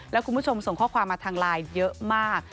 แล้วคุณผู้ชมส่งข้อความมาทางไลน์เยอะมาก